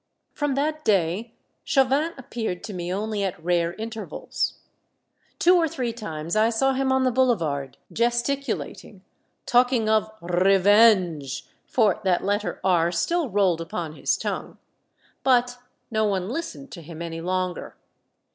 From that day Chauvin appeared to me only at rare intervals. Two or three times I saw him on the boulevard, gesticulating, talking of r r revenge, — for that letter "r" still rolled upon his tongue. But no one listened to him any longer.